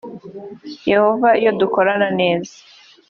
yehova iyo dukorana neza